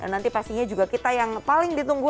nanti pastinya juga kita yang paling ditunggu